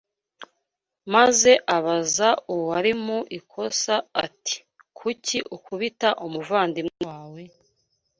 maze abaza uwari mu ikosa ati kuki ukubita umuvandimwe wawe